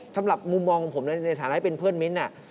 สำหรับมุมมองของผมในฐานะเป็นเพื่อนมิ้นท์